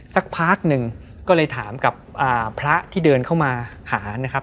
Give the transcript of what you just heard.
สักพักหนึ่งก็เลยถามกับพระที่เดินเข้ามาหานะครับ